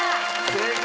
正解。